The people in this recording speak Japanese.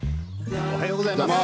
おはようございます。